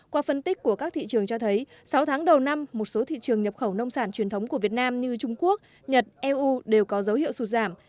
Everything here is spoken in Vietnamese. qua phân tích của các thị trường cho thấy sáu tháng đầu năm một số thị trường nhập khẩu nông sản truyền thống của việt nam như trung quốc nhật eu đều có dấu hiệu sụt giảm